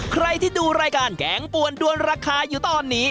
ใครที่ดูรายการแกงปวนด้วนราคาอยู่ตอนนี้